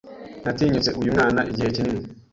Natinyutse uyu mwanya igihe kinini.